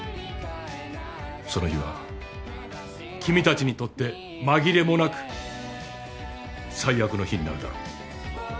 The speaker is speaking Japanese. その日は君たちにとって紛れもなく最悪の日になるだろう。